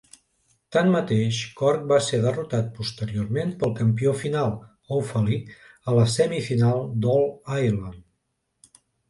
Tanmateix, Cork va ser derrotat posteriorment pel campió final, Offaly, a la semifinal d'All-Ireland.